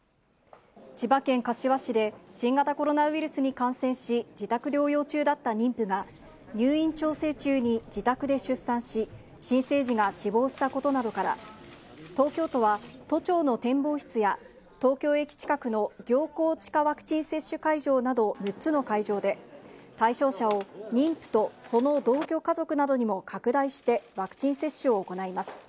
千葉県柏市で、新型コロナウイルスに感染し、自宅療養中だった妊婦が、入院調整中に自宅で出産し、新生児が死亡したことなどから、東京都は、都庁の展望室や東京駅近くの行幸地下ワクチン接種会場など６つの会場で、対象者を妊婦とその同居家族などにも拡大して、ワクチン接種を行います。